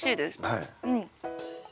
はい。